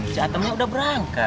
c atemnya udah berangkat